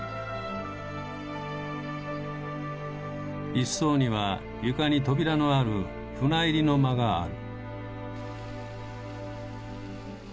一層には床に扉のある舟入の間がある。